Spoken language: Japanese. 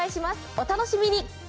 お楽しみに。